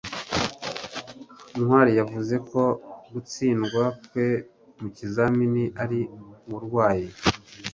ntwali yavuze ko gutsindwa kwe mu kizamini ari uburwayi